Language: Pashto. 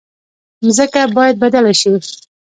ځمکه باید بدله شي.